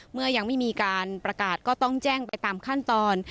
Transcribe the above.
เมื่อยังไม่มีการประกาศก็ต้องแจ้งไปตามขั้นตอน